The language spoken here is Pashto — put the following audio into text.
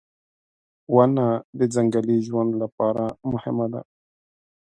• ونه د ځنګلي ژوند لپاره مهمه ده.